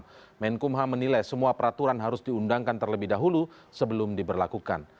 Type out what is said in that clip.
kemenkumham menilai semua peraturan harus diundangkan terlebih dahulu sebelum diberlakukan